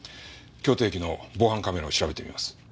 京都駅の防犯カメラを調べてみます。